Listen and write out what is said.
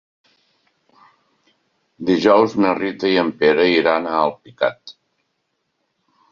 Dijous na Rita i en Pere iran a Alpicat.